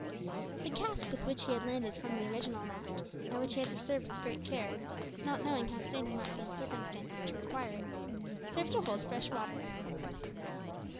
The cask with which he had landed from the original raft, and which he had preserved with great care, not knowing how soon he might be in circumstances to require it, served to hold fresh water.